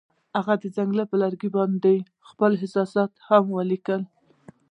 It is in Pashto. هغوی د ځنګل پر لرګي باندې خپل احساسات هم لیکل.